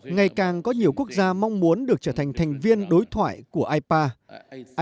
ngày càng có nhiều quốc gia mong muốn được trở thành thành viên đối thoại của ipa